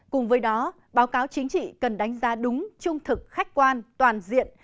cùng với đó báo cáo chính trị cần đánh giá đúng trung thực khách quan toàn diện